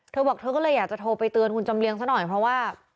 เธอบอกเธอก็เลยอยากจะโทรไปเตือนคุณจำเลียงซะหน่อยเพราะว่า